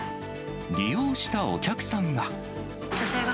利用したお客さんは。